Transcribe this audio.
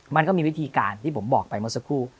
มันก็มีวิธีการที่ผมบอกไปเมื่อสักครู่